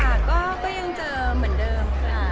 ค่ะก็ยังเจอเหมือนเดิมค่ะ